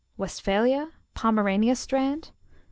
Westphalia? Pomerania's strand?